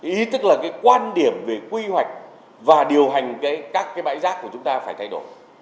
ý tức là cái quan điểm về quy hoạch và điều hành các cái bãi rác của chúng ta phải thay đổi